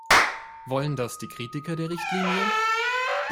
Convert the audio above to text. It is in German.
Wollen das die Kritiker der Richtlinie?